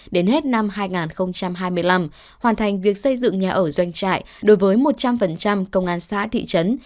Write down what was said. đến hết năm hai nghìn hai mươi năm hoàn thành việc xây dựng nhà ở doanh trại đối với một trăm linh công an xã thị trấn